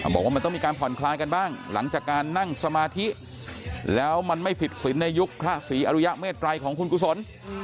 บอกว่ามันต้องมีการผ่อนคลายกันบ้างหลังจากการนั่งสมาธิแล้วมันไม่ผิดศิลป์ในยุคพระศรีอรุยะเมตรัยของคุณกุศล